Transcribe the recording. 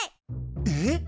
えっ！？